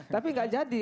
tapi enggak jadi